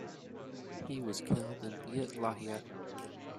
He was killed in Beit Lahia.